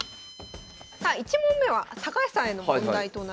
さあ１問目は高橋さんへの問題となります。